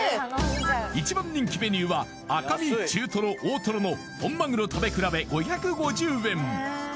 １番人気メニューは赤身中トロ大トロの本マグロ食べ比べ５５０円